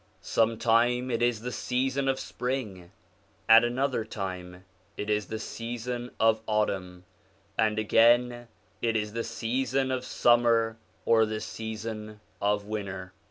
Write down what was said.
Sometime it is the season of spring, at another time it is the season of autumn, and again it is the season of summer or the season of winter.